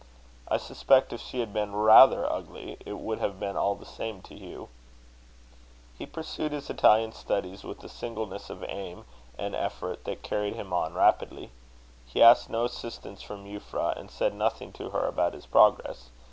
I suspect if she had been rather ugly, it would have been all the same for Hugh. He pursued his Italian studies with a singleness of aim and effort that carried him on rapidly. He asked no assistance from Euphra, and said nothing to her about his progress.